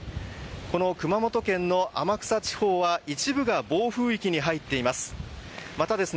この熊本県の天草地方は一部が暴風域に入っています。